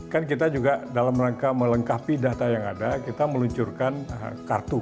kan kita juga dalam rangka melengkapi data yang ada kita meluncurkan kartu